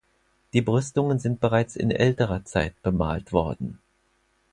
Die Brüstungen sind bereits in älterer Zeit bemalt worden.